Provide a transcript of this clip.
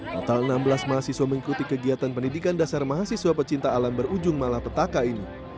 total enam belas mahasiswa mengikuti kegiatan pendidikan dasar mahasiswa pecinta alam berujung malapetaka ini